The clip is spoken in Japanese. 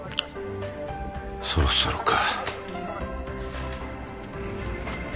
そろそろか。